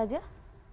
nah itu adalah